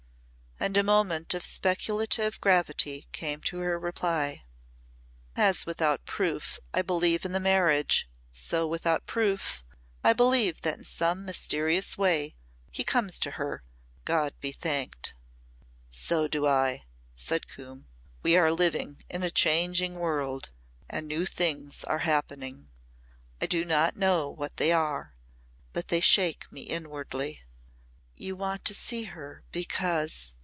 After a moment of speculative gravity came her reply. "As without proof I believed in the marriage, so without proof I believe that in some mysterious way he comes to her God be thanked!" "So do I," said Coombe. "We are living in a changing world and new things are happening. I do not know what they are, but they shake me inwardly." "You want to see her because